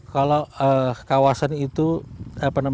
kalau kondisi kondisi kondisi itu kita bisa menghitung